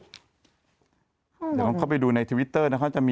เดี๋ยวลองเข้าไปดูในทวิตเตอร์นะครับ